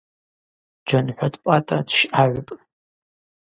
Джьанхӏват Пӏатӏа дщъагӏвпӏ.